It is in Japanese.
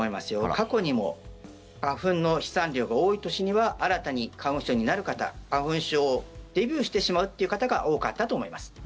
過去にも花粉の飛散量が多い年には新たに花粉症になる方花粉症デビューしてしまうという方が多かったと思います。